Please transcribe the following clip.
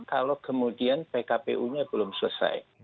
kalau kemudian pkpu nya belum selesai